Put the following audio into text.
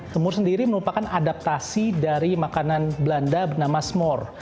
semur sendiri merupakan adaptasi dari makanan belanda bernama smor